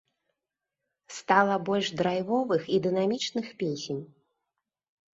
Стала больш драйвовых і дынамічных песень.